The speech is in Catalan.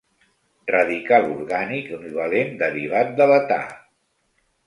Radical orgànic univalent derivat de l'età.